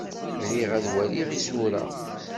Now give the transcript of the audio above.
Riɣ ad waliɣ isura.